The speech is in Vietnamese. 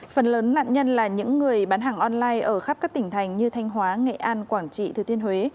phần lớn nạn nhân là những người bán hàng online ở khắp các tỉnh thành như thanh hóa nghệ an quảng trị thừa thiên huế